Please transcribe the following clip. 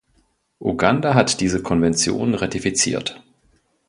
Uganda hat diese Konventionen ratifiziert.